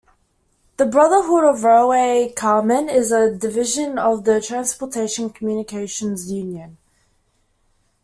The Brotherhood of Railway Carmen is a division of the Transportation Communications Union.